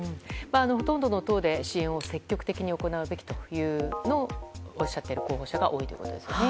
ほとんどの党で支援を積極的に行うべきというのをおっしゃっている候補者が多いということですね。